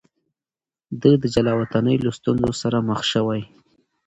ده د جلاوطنۍ له ستونزو سره مخ شوی.